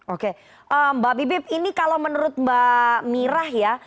oke mbak bibip ini kalau menurut mbak mirah ya